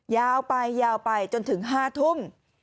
ยาวไปยาวไปจนถึง๕ทุ่ม